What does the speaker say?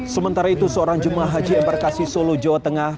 sementara itu seorang jemaah haji embarkasi solo jawa tengah